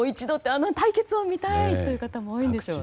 あの対決を見たいという方も多いんでしょうね。